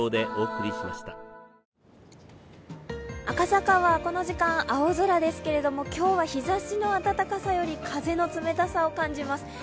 赤坂はこの時間、青空ですけれども今日は日ざしの暖かさより風の冷たさを感じます。